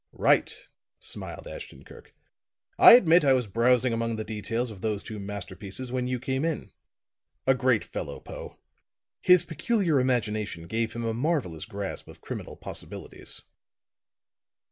'" "Right," smiled Ashton Kirk. "I admit I was browsing among the details of those two masterpieces when you came in. A great fellow, Poe. His peculiar imagination gave him a marvelous grasp of criminal possibilities."